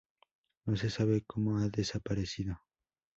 No se sabe cómo ha desaparecido.